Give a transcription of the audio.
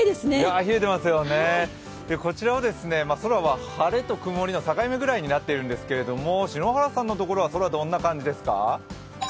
冷えてますよね、こちらは空は晴れと曇りの境目ぐらいになってるんですけど篠原さんのところは、空、どんな感じですか？